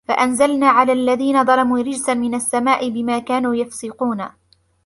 فَأَنْزَلْنَا عَلَى الَّذِينَ ظَلَمُوا رِجْزًا مِنَ السَّمَاءِ بِمَا كَانُوا يَفْسُقُونَ